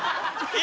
え？